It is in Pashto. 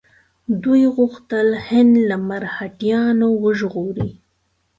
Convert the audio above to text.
دوی غوښتل هند له مرهټیانو وژغوري.